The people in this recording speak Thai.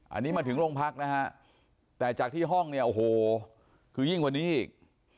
อันนี้มาถึงโรงพักนะฮะแต่จากที่ห้องเนี่ยโอ้โหคือยิ่งกว่านี้อีก